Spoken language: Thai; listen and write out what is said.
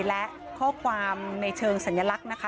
และข้อความในเชิงสัญลักษณ์นะคะ